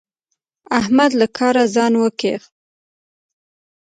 احمد له کاره ځان وکيښ.